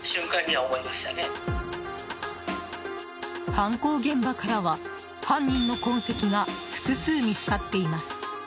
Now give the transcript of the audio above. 犯行現場からは犯人の痕跡が複数見つかっています。